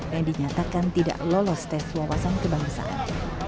yang dinyatakan tidak lolos tes wawasan kebangsaan